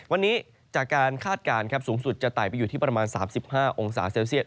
วันนี้จากการคาดการณ์สูงสุดจะไต่ไปอยู่ที่ประมาณ๓๕องศาเซลเซียต